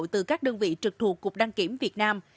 từ các đơn vị trực thuộc cục đăng kiểm việt nam